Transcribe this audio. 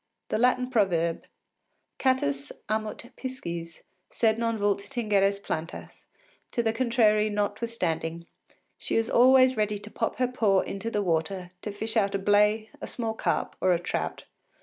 The Latin proverb, Catus amat pisces, sed non vult tingere plantas, to the contrary notwithstanding, she is always ready to pop her paw into the water to fish out a blay, a small carp, or a trout.